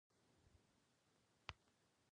له تېر څخه تر نن پورې دا سفر روان دی.